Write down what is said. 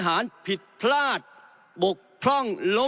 ถ้าผิดพลาดธรรมดาเนี่ยท่านอาจจะยิ้ม